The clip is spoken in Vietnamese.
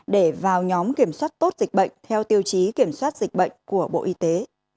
để vào nhóm kiểm soát tốt dịch bệnh theo tiêu chí kiểm soát dịch bệnh của bộ y tế